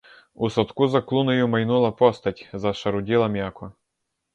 У садку за клунею майнула постать, зашаруділа м'яко.